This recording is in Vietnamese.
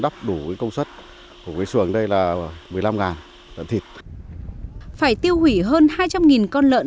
phải tiêu hủy hơn hai trăm linh con lợn